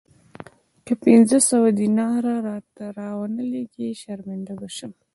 که پنځه سوه دیناره راته را ونه لېږې شرمنده به شم.